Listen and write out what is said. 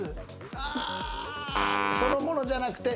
そのものじゃなくて